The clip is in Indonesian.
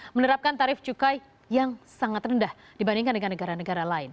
menerapkan tarif cukai yang sangat rendah dibandingkan dengan negara negara lain